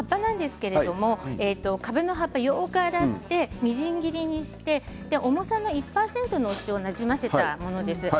かぶの葉っぱはよく洗ってみじん切りにして重さの１％のお塩をなじませたものです。